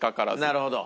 なるほど。